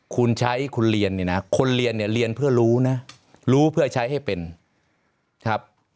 คุณใช้คุณเรียนเนี่ยนะคนเรียนเนี่ยเรียนเพื่อรู้นะรู้เพื่อใช้ให้เป็นครับ